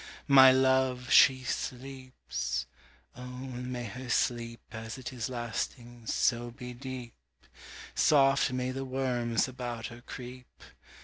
My love, she sleeps! Oh, may her sleep As it is lasting, so be deep! Soft may the worms about her creep!